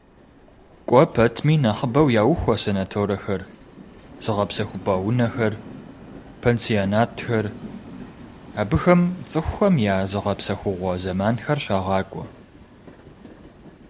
КӀуэ пэтми нэхъыбэу яухуэ санаторэхэр, зыгъэпсэхупӀэ унэхэр, пансионатхэр, абыхэм цӀыхухэм я зыгъэпсэхугъуэ зэманхэр щагъакӀуэ.